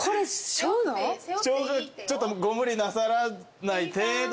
ちょっとご無理なさらない程度で。